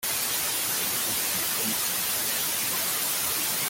The bit between the two car parks?